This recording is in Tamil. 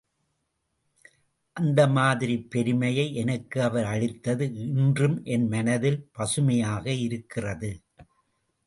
அந்த மாதிரி பெருமையை எனக்கு அவர் அளித்தது இன்றும் என் மனதில் பசுமையாக இருக்கிறது.